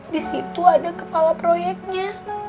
disitu ada kepala proyeknya